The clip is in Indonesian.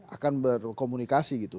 akan berkomunikasi gitu